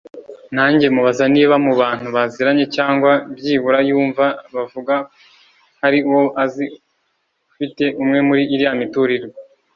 nanjye mubaza niba mu bantu baziranye cyangwa byibura yumva bavuga hari uwo azi ufite imwe muri iriya miturirwa